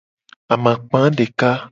Amakpa deka.